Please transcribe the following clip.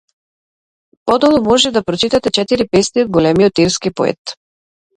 Подолу може да прочитате четири песни од големиот ирски поет.